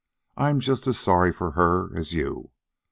I'm just as sorry for her as you.